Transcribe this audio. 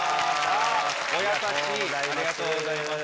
ありがとうございます。